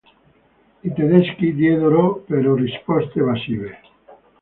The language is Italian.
I tedeschi diedero, però, risposte evasive.